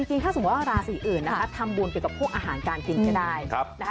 จริงถ้าสมมุติว่าราศีอื่นทำบุญไปกับพวกอาหารการกินก็ได้